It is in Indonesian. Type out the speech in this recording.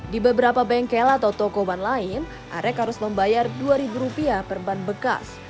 di beberapa bengkel atau toko ban lain arek harus membayar rp dua per ban bekas